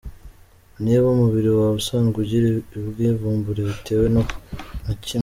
Niba umubiri wawe usanzwe ugira ubwivumbure bitewe na kimwe